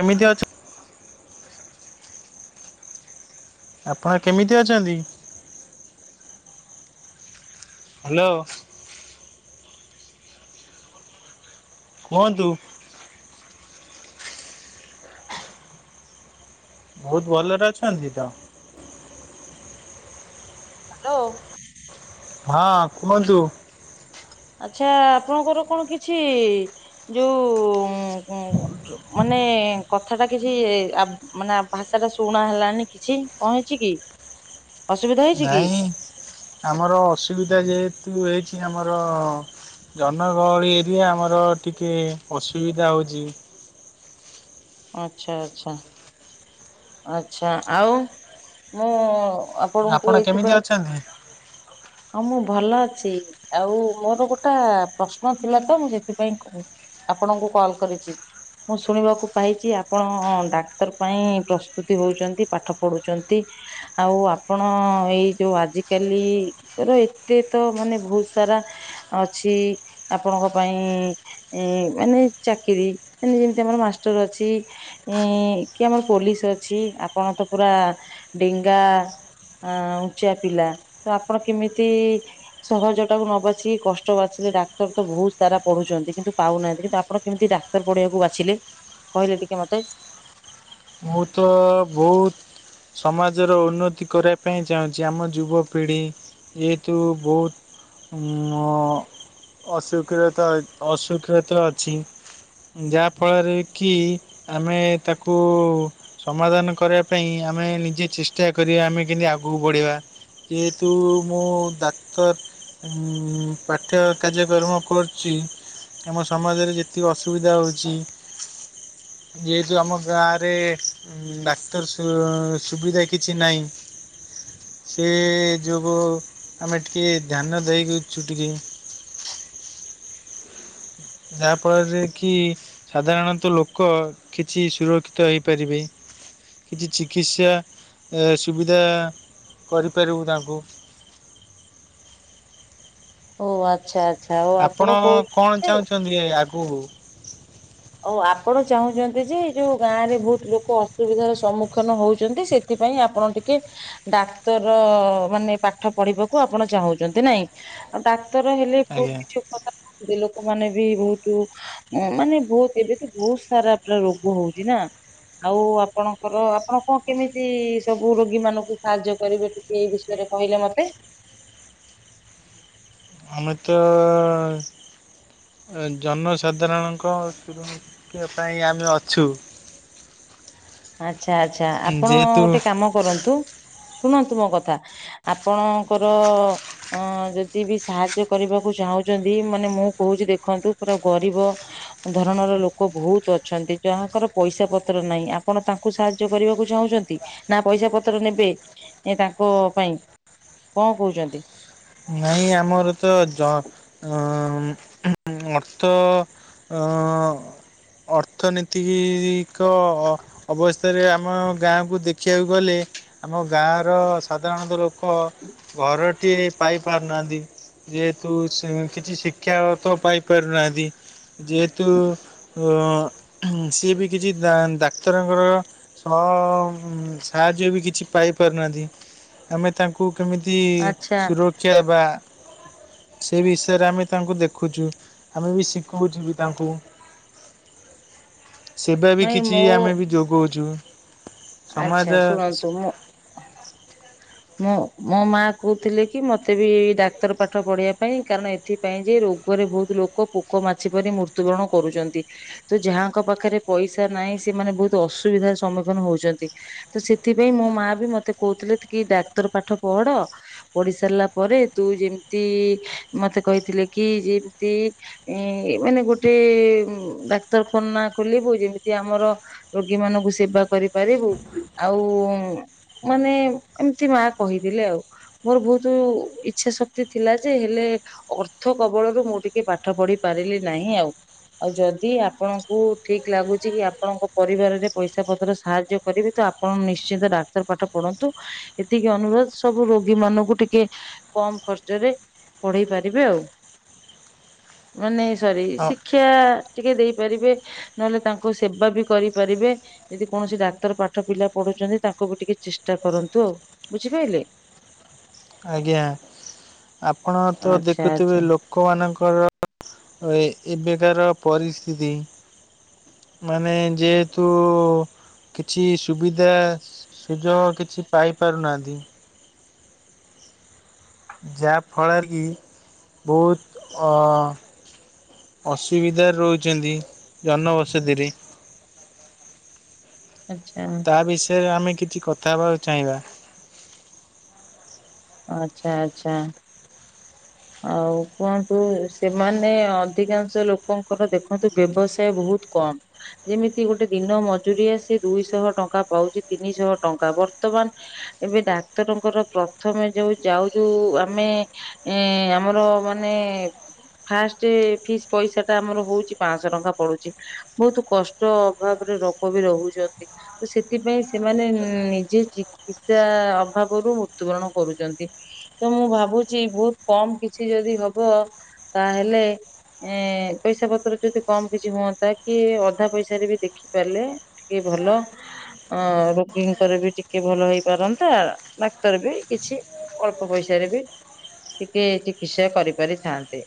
କେମିତି ଅଛ? ଆପଣ କେମିତି ଅଛନ୍ତି? ହାଲୋ। କୁହନ୍ତୁ? ବହୁତ୍ ଭଲରେ ଅଛନ୍ତି ତ? ହାଲୋ? ହଁ କୁହନ୍ତୁ? ଆଚ୍ଛା ଆପଣଙ୍କର କଣ କିଛି ଯୋଉ ମାନେ କଥା ଟା କିଛି ମାନେ ଭାଷା ଟା ଶୁଣା ହେଲାନି କିଛି କଣ ହେଇଚି କି? ଅସୁବିଧା ହେଇଛି କି? ନାଇଁ ଆମର ଅସୁବିଧା ଯେହେତୁ ହେଇଚି ଆମର ଜନଗହଳି ଏରିଆ ଆମର ଟିକିଏ ଅସୁବିଧା ହେଉଚି। ଆଚ୍ଛା ଆଚ୍ଛା। ଆଚ୍ଛା ଆଉ ମୁଁ ଆପଣଙ୍କୁ ଆପଣ ଏଇଥି କେମିତି ପାଇଁ ଅଛନ୍ତି? ହଁ ମୁଁ ଭଲ ଅଛି ଆଉ ମୋର ଗୋଟା ପ୍ରଶ୍ନ ଥିଲା ତ ମୁଁ ସେଥିପାଇଁ କହୁଥିଲି। ଆପଣଙ୍କୁ କଲ୍ କରିଚି। ମୁଁ ଶୁଣିବାକୁ ପାଇଚି ଆପଣ ଡାକ୍ତର ପାଇଁ ପ୍ରସ୍ତୁତି ହଉଚନ୍ତି ପାଠ ପଢୁଚନ୍ତି। ଆଉ ଆପଣ ଏଇ ଯୋଉ ଆଜିିକାଲି ର ଏତେ ତ ମାନେ ବହୁତ୍ ସାରା ଅଛି ଆପଣଙ୍କ ପାଇଁ ଏ ମାନେ ଚାକିରି ମାନେ ଯେମିତି ଆମର ମାଷ୍ଟର ଅଛି। ଏ କି ଆମର ପୋଲିସ ଅଛି ଆପଣ ତ ପୁରା ଡେଙ୍ଗା ଆ ଉଚା ପିଲା। ତ ଆପଣ କେମିତି ସହଜ ଟାକୁ ନ ବାଛି କଷ୍ଟ ବାଚିଲେ ଡାକ୍ତର ତ ବହୁତ୍ ସାରା ପଢୁଛନ୍ତି କିନ୍ତୁ ପାଉନାହାନ୍ତି କିନ୍ତୁ ଆପଣ କେମିତି ଡାକ୍ତର ପଢେଇବାକୁ ବାଛିଲେ କହିଲେ ଟିକେ ମତେ? ମୁଁ ତ ବହୁତ ସମାଜର ଉନ୍ନତି କରିବା ପାଇଁ ଚାହୁଁଛି। ଆମ ଯୁବପିଢ଼ି ଯେହେତୁ ବହୁତ ମ ଅସ୍ୱାକ୍ଷରତା, ଅସ୍ୱାକ୍ଷରତା ଅଛି। ଯାହା ଫଳରେ କି ଆମେ ତାକୁ ସମାଧାନ କରିବା ପାଇଁ ଆମେ ନିଜେ ଚେଷ୍ଟା କରିବା ଆମେ କେମିତି ଆଗକୁ ବଢ଼ିବା। ଯେହେତୁ ମୁଁ ଡାକ୍ତର ଉଁ ପାଠ୍ୟ କାର୍ଯ୍ୟକ୍ରମ କରୁଛି। ଆମ ସମାଜରେ ଯେତିକି ଅସୁବିଧା ହେଉଛି। ଯେହେତୁ ଆମ ଗାଁରେ। ଡାକ୍ତର ସୁ ସୁବିଧା କିଛି ନାହିଁ। ସେ ଯୋଗୁ ଆମେ ଟିକେ ଧ୍ୟାନ ଦେଇ ଦୋଉଛୁ ଟିକେ। ଯାହା ଫଳରେ କି ସାଧାରଣତଃ ଲୋକ କିଛି ସୁରକ୍ଷିତ ହେଇପାରିବେ। କିଛି ଚିକିତ୍ସା ସୁବିଧା କରିପାରିବୁ ତାଙ୍କୁ। ଓ ଆଚ୍ଛା। ଆଚ୍ଛା ଓ ଆପଣ କହୁ କଣ ଚାହୁଁଛନ୍ତି ଆଗକୁ? ଓ ଆପଣ ଚାହୁଁଛନ୍ତି ଯେ ଏ ଯୋଉ ଗାଁ ରେ ବହୁତ ଲୋକ ଅସୁବିଧାର ସମ୍ମୁଖୀନ ହଉଛନ୍ତି ସେ ସେଥିପାଇଁ ଆପଣ ଟିକେ ଡାକ୍ତର ମାନେ ପାଠ ପଢିବାକୁ ଆପଣ ଚାହୁଁଛନ୍ତି ନାଇଁ? ଆଉ ଡାକ୍ତର ହେଲେ ବହତୁ ଆଜ୍ଞା କିଛି ଉପକାର ପାଉଛନ୍ତି। ଲୋକମାନେ ବି ବହୁତ ମାନେ ବହୁତ ଏବେ ତ ବହୁତ ସାରା ପୁରା ରୋଗ ହଉଛି ନା। ଆଉ ଆପଣଙ୍କର ଆପଣ କଣ କେମିତି ସବୁ ରୋଗୀ ମାନଙ୍କୁ ସାହାଯ୍ୟ କରିବେ? ଏଇ ବିଷୟରେ କହିଲେ ମତେ? ଆମେ ତ ଜନସାଧାରଣଙ୍କ ସୁରକ୍ଷା ପାଇଁ ଆମେ ଅଛୁ। ଆଚ୍ଛା ଆଚ୍ଛା, ଆପଣ ଯେହେତୁ ଗୋଟେ କାମ କରନ୍ତୁ ଶୁଣନ୍ତୁ ମୋ କଥା। ଆପଣଙ୍କର ଅ ଯଦି ବି ସାହାଯ୍ୟ କରିବାକୁ ଚାହୁଁଛନ୍ତି ମାନେ ମୁଁ କହୁଛି ଦେଖନ୍ତୁ ପୁରା ଗରିବ ଧରଣର ଲୋକ ବହୁତ ଅଛନ୍ତି ଯାହାଙ୍କର ପଇସା ପତ୍ର ନାହିଁ। ଆପ ଆପଣ ତାଙ୍କୁ ସାହାଯ୍ୟ କରିବାକୁ ଚାହୁଁଛନ୍ତି ନା ପଇସା ପତ୍ର ନେବେ ଏ ତାଙ୍କ ପାଇଁ। କଣ କହୁଛନ୍ତି? ନାଇଁ ଆମର ଜ ଅର୍ଥ ଅ ଅର୍ଥନୀତିକ ଅବସ୍ ଅବସ୍ଥାରେ ଆମ ଗାଁକୁ ଦେଖିବାକୁ ଗଲେ ଆମ ଗାଁର ସାଧାରଣତଃ ଲୋକ ଲୋକ ଘରଟିଏ ପାଇ ପାରୁନାହାନ୍ତି। ଯେହେତୁ ସେ କିଛି ଶିକ୍ଷା ତ ପାଇ ପାରୁନାହାନ୍ତି। ଯେହେତୁ ସିଏ ବି କିଛି ଡା ଡାକ୍ତରଙ୍କର ସାହାଯ୍ୟ ବି କିଛି ପାଇପାରୁନାହାନ୍ତି। ଆମେ ତାଙ୍କୁ କେମିତି ଆଚ୍ଛା ସୁରକ୍ଷା ଦେବା। ସେ ବିଷୟରେ ଆମେ ତାଙ୍କୁ ଦେଖୁଛୁ ଆମେ ବି ଶିଖଉଛୁ ବି ତାଙ୍କୁ। ସେବା ବି ନାଇଁ କିଛି ମୋ ଆମେ ବି ଯୋଗଉଛୁ। ଆଚ୍ଛା ସମାଜ ଶୁଣନ୍ତୁ ମୁଁ ମୋ ମା କହୁଥିଲେ କି ମତେ ବି ଡାକ୍ତର ପାଠ ପଢେଇବା ପାଇଁ। କାରଣ ଏଥିପାଇଁ ଯେ ରୋଗରେ ବହୁତ ଲୋକ ପୋକ ମାଛି ପରି ମୃତ୍ୟୁବରଣ କରୁଛନ୍ତି। ତ ଯାହାଙ୍କ ପାଖରେ ପଇସା ନାହିଁ ସେମାନେ ବହୁତ ଅସୁବିଧାର ସମ୍ମୁଖୀନ ହଉଛନ୍ ତ ସେଥିପାଇଁ ମୋ ମା ବି ମତେ କହୁଥିଲେ କି ଡାକ୍ତର ପାଠ ପଢ। ପଢି ସାରିଲା ପରେ ତୁ ଯେମିତି ମତେ କହିଥିଲେ କି ଯେମିତି ଏ ମାନେ ଗୋଟେ ଡାକ୍ତରଖାନା ଖୋଲିବୁ ଯେମିତି ଆମର ରୋଗୀ ମାନଙ୍କୁ ସେବା କରିପାରିବୁ। ଆଉ ମାନେ ଏମିତି ମା କହିଦେଲେ ଆଉ। ମୋର ବହୁତୁ ଇଚ୍ଛା ଶକ୍ତି ଥିଲା ଯେ ହେଲେ ଅର୍ଥ କବଳରୁ ମୁଁ ଟିକେ ପାଠ ପଢି ପାରିଲି ନାହିଁ ଆଉ। ଆଉ ଯଦି ଆପଣଙ୍କୁ ଠିକ ଲାଗୁଛି କି ଆପଣଙ୍କ ପରିବାରରେ ପଇସା ପତ୍ର ସାହା ର୍ଯ୍ୟ କରିବେ ତ ଆପଣ ନିଶ୍ଚିନ୍ତ ଡାକ୍ତର ପାଠ ପଢନ୍ତୁ। ଏତିକି ଅନୁରୋଧ ସବୁ ରୋଗୀ ମାନଙ୍କୁ ଟିକେ କମ ଖର୍ଚ୍ଚ ରେ ପଢେଇ ପାରିବେ ଆଉ। ମାନେ ସରି ଶିଖି ଅ ଶିକ୍ଷା ଟିକେ ଦେଇପାରିବେ ନହେଲେ ତାଙ୍କୁ ସେବା ବି କରିପାରିବେ ଯଦି କୌଣସି ଡାକ୍ ଧର ପାଠ ପିଲା ପଢୁଛନ୍ତି ତାଙ୍କୁ ବି ଟିକେ ଚେଷ୍ଟା କରନ୍ତୁ। ଆଉ ବୁଝିପାଇଲେ? ଆଜ୍ଞା ଆପଣ ତ ଆଚ୍ଛା ଦେଖୁଥିବେ ଆଚ୍ଛା ଲୋକ୍ କମାନଙ୍କର ଏବେକାର ପରିସ୍ଥିତି। ମାନେ ଯେହେତୁ କିଛି ସୁବିଧା ସୁଯୋଗ କିଛି ପାଇପାରୁନାହାନ୍ତି। ଯାହାଫଳରେ କି ବହୁତ ଅ ଅସୁବିଧାରେ ରହୁଛନ୍ତି ଜନବସତିରେ। ଆଚ୍ଛା। ତା ବିଷୟରେ ଆମେ କିଛି କଥା ହେବାକୁ ଚାହିଁବା। ଆଚ୍ଛା ଆଚ୍ଛା। ହ ଆଉ କୁହନ୍ତୁ ସେମାନେ ଅଧିକାଂଶ ଲୋକଙ୍କର ଦେଖନ୍ତୁ ବ୍ୟବସାୟ ବହୁତ କମ୍। ଯେମିତି ଗୋଟେ ଦିନ ମଜୁରିଆ ସେ ଦୁଇଶହ ଟଙ୍କା ପାଉଛି ତିନିଶହ ଟଙ୍କା। ବର୍ତ୍ତମାନ ଏବେ ଡାକ୍ତରଙ୍କର ପ୍ରଥମେ ଯୋଉ ଯାଉଯୁ ଆମେ ଏ ଆମର ମାନେ ଫାଷ୍ଟ ଫିସ୍ ପଇସା ଟା ଆମର ହଉଛି ପାଞ୍ଚଶହ ଟଙ୍କା ପଡୁଛି। ବହୁତ କଷ୍ଟ ଅଭାବରେ ଲୋକ ବି ରହୁଛନ୍ତି। ତ ସେଥିପାଇଁ ସେମାନେ ନିଜେ ଚିକିତ୍ସା ଅଭାବରୁ ମୃତ୍ୟୁବରଣ କରୁଚନ୍ତି। ତ ମୁଁ ଭାବୁଛି ବହୁତ କମ୍ କିଛି ଯଦି ହବ ତାହେଲେ ଏ ପଇସା ପତ୍ର ଯଦି କମ୍ କିଛି ହୁଅନ୍ତା କି ଅଧା ପଇସାରେ ବି ଦେଖି ପାରିଲେ ଟିକେ ଭଲ ଅ ରୋଗୀଙ୍କର ବି ଟିକେ ଭଲ ହେଇପାରନ୍ତା। ଡାକ୍ତର ବି କିଛି ଅଳ୍ପ ପଇସାରେ ବି ଟିକେ ଚିକିତ୍ସା କରିପାରିଥାନ୍ତେ।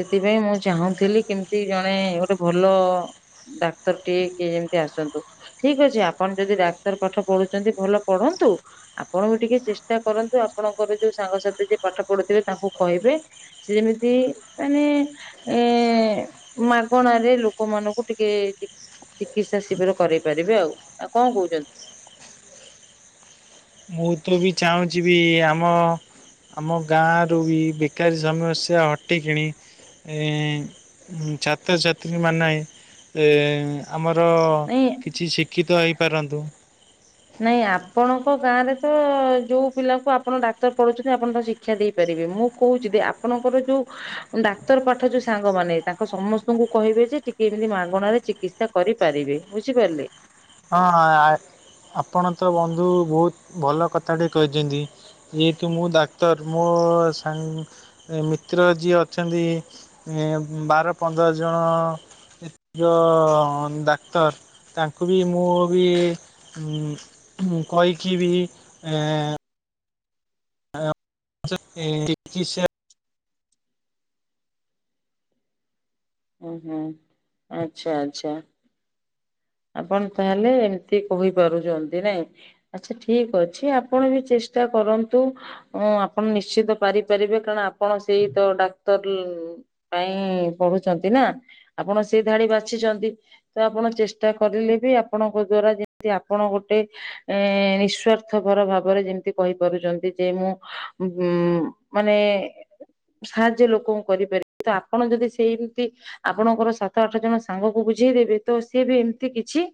ସେଥିପାଇଁ ମୁଁ ଚାହୁଁଥିଲି କେମତି ଜଣେ ଗୋଟେ ଭଲ ଡାକ୍ତର ଟିଏ କିଏ ଯେମିତି ଆସନ୍ତୁ? ଠିକ୍ ଅଛି ଆପଣ ଯଦି ଡାକ୍ତର ପାଠ ପଢୁଛନ୍ତି ଭଲ ପଢନ୍ତୁ। ଆପଣବି ଟିକେ ଚେଷ୍ଟ୍ ଟା କରନ୍ତୁ। ଆପଣଙ୍କର ଯୋଉ ସାଙ୍ଗସାଥି ଯିଏ ପାଠ ପଢୁଥିବେ ତାଙ୍କୁ କହିବେ ସେ ଯେମିତି ମାନେ ଏ ମାଗଣାରେ ଲୋକମାନଙ୍କୁ ଟିକେ ଚିକ୍ ଚିକିତ୍ସା ଶିବିର କରାଇ ପାରିବେ ଆଉ ଆଉ କଣ କହୁଛନ୍ତି? ମୁଁ ତ ବି ଚାହୁଁଛି ବି ଆମ ଆମ ଗାଁ ରୁ ବି ବେକାରୀ ସମସ୍ୟା ହଟିକିଣି ଏଁ ଛାତ୍ରଛାତ୍ରୀମାନେ ଏ ଆମର ନାଇଁ କିଛି ଶିକ୍ଷିତ ହେଇପାରନ୍ତୁ। ନାଇଁ ଆପଣଙ୍କ ଗାଁ ରେ ତ ଯୋଉ ପିଲାକୁ ଆପଣ ଡାକ୍ତର ପଢୁଛନ୍ତି ଆପଣ ତ ଶିକ୍ କ୍ଷା ଦେଇପାରିବେ ମୁଁ କହୁଛି ଯଦି ଆପଣଙ୍କର ଯୋଉ ଡାକ୍ତର ପାଠ ଯୋଉ ସାଙ୍ଗମାନେ ତାଙ୍କ ସମସ୍ତଙ୍କୁ କହିବେ ଯେ ଟିକେ ଏମିତି ମାଗଣାରେ ଚିକି କରିପାରିବେ ବୁଝିପାରିଲେ? ହଁ ଆ ଆପଣ ତ ବନ୍ଧୁ ବହୁତ ଭଲ କଥାଟେ କହିଛନ୍ତି। ଯେହେତୁ ମୁଁ ଡାକ୍ତର ମୋ ସାଙ୍ଗ ମିତ୍ର ଯିଏ ଅଛନ୍ତି। ଏ ବାର ପନ୍ଦର ଜଣ ଯେ ଯୋଉ ଡାକ୍ତର ତାଙ୍କୁ ବି ମୁଁ ବି କହିକି ବି ଏ ସେ [inaudible] ହୁଁ ହୁଁ ଆଚ୍ଛା ଆଚ୍ଛା। ଆପଣ ତାହେଲେ ଏମିତି କହିପାରୁଛନ୍ତି ନାଇଁ? ଆଚ୍ଛା ଠିକ୍ ଅଛି ଆପଣ ବି ଚେଷ୍ଟା କରନ୍ତୁ। ହଁ ଆପଣ ନିଶ୍ଚିତ ପାରିପାରିବେ କାରଣ ଆପଣ ସେଇ ତ ଡାକ୍ତର ଲ୍ ପାଇଁ ପଢୁଛନ୍ତି ନା ଆପଣ ସେଇ ଧାଡି ବାଛିଛନ୍ତି ତ ଆପଣ ଚେଷ୍ ଚା କରିଲେ ବି ଆପଣଙ୍କ ଦ୍ଵାରା ଯେମତି ଆପଣ ଗୋଟେ ଏ ନିଃସ୍ଵାର୍ଥ ପର ଭାବରେ ଯେମିତି କହିପାରୁଛନ୍ତି ଯେ ମୁଁ ଉ ମାନେ ସାହାଯ୍ୟ ଲୋକଙ୍କୁ କରିପାରିବେ ତ ଆପଣ ଯଦି ସେମିତି ଆପଣଙ୍କର ସାତ ଆଠ ଜଣ ସାଙ୍ଗକୁ ବୁଝେଇଦେବେ ତ ସିଏ ବି ଏମିତି କିଛି